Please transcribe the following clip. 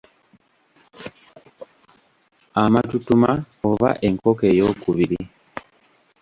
Amatutuma oba enkoko eyookubiri.